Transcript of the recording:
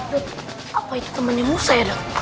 dut apa itu temannya musa ya dut